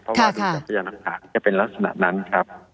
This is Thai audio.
เพราะว่าดูจากพยานหลักฐานจะเป็นลักษณะนั้นครับ